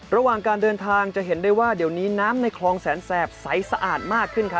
ระหว่างการเดินทางจะเห็นได้ว่าเดี๋ยวนี้น้ำในคลองแสนแสบใสสะอาดมากขึ้นครับ